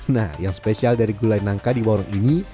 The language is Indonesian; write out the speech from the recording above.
nah yang spesial dari gulai nangka di warung ini